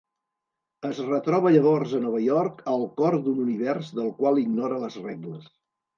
Es retroba llavors a Nova York al cor d'un univers del qual ignora les regles.